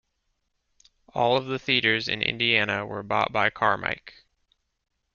All of the theaters in Indiana were bought by Carmike.